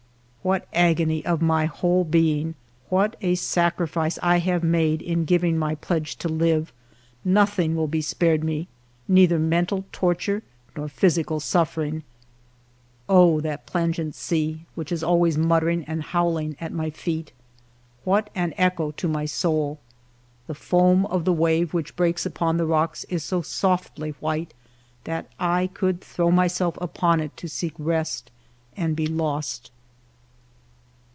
What agony of my whole being ! What a sac rifice I have made in giving my pledge to live ! Nothing will be spared me, neither mental torture nor physical suffering. Oh, that plangent sea which is always muttering and howling at my feet ! What an echo to my ALFRED DREYFUS 113 soul ! The foam of the wave which breaks upon the rocks Is so softly white that I could throw myself upon it to seek rest, and be lost.